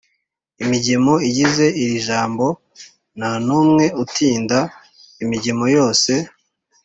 imigemo igize iri jambo nta n’umwe utinda; imigemo yose